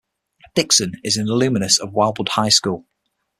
Dixon is an alumnus of Wildwood High School.